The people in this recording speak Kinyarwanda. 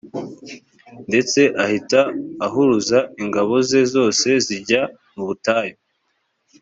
ndetse ahita ahuruza ingabo ze zose zijya mu butayu.